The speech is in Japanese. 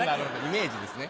イメージですね。